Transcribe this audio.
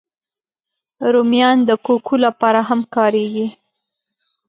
رومیان د کوکو لپاره هم کارېږي